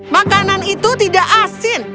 makanan itu tidak asin